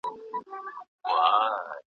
استاد شاګرد ته د کتابونو لیست ورکړ.